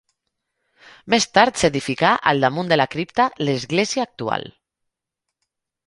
Més tard s'edificà al damunt de la cripta l'església actual.